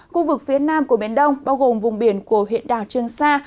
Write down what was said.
khu vực phía nam của biển đông bao gồm vùng biển của huyện đảo trương sa